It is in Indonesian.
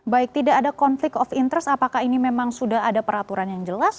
baik tidak ada konflik of interest apakah ini memang sudah ada peraturan yang jelas